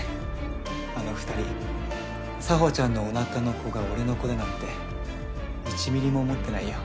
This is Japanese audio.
あの２人沙帆ちゃんのお腹の子が俺の子だなんて１ミリも思ってないよ。